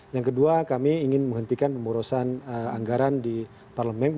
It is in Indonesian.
yang kedua kami ingin menghentikan pemborosan anggaran di parlemen